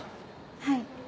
はい。